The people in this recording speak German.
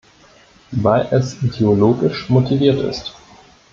Weil es ideologisch motiviert ist.